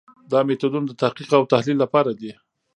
دا میتودونه د تحقیق او تحلیل لپاره دي.